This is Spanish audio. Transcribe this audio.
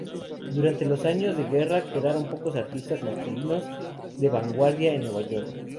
Durante los años de guerra quedaron pocos artistas masculinos de vanguardia en Nueva York.